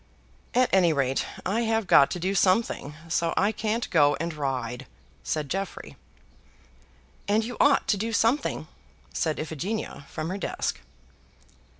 "At any rate I have got to do something, so I can't go and ride," said Jeffrey. "And you ought to do something," said Iphigenia from her desk.